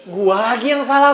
gua lagi yang salah